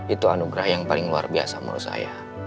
itu anugerah yang paling luar biasa menurut saya